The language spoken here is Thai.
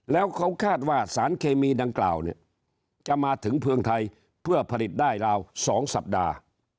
แล้วเขาคาดว่าสารเคมีดังกล่าวเนี่ยจะมาถึงเมืองไทยเพื่อผลิตได้ราว๒สัปดาห์